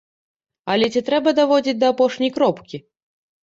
Але ці трэба даводзіць да апошняй кропкі?